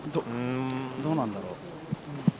どうなんだろう。